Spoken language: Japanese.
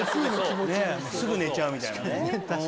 すぐ寝ちゃうみたいなね。